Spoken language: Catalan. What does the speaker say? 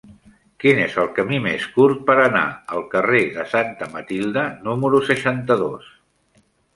Quin és el camí més curt per anar al carrer de Santa Matilde número seixanta-dos?